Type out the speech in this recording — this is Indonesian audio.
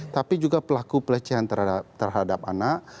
tapi juga pelaku pelecehan terhadap anak